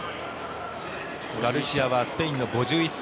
ガルシアはスペインの５１歳。